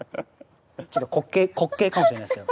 ちょっと滑稽滑稽かもしれないですけど。